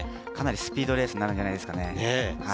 かなりスピードレースになるんじゃないですかね。